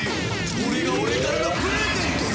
これが俺からのプレゼントだ！